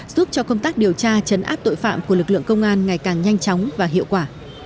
giúp cho công tác điều tra chấn áp tội phạm của lực lượng công an ngày càng nhanh chóng và hiệu quả